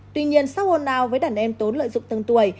tuy nhiên sau hồn ào với đàn em tốn lợi dụng tương tuổi